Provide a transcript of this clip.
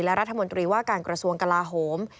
และรัฐมนตรีว่าการกระทรวงกลาโหม